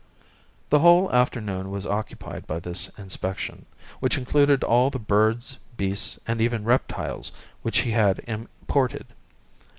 The whole afternoon was occupied by this inspection, which included all the birds, beasts, and even reptiles which he had imported.